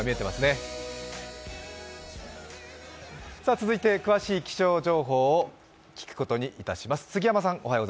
続いて詳しい気象情報を聞くことにいたします。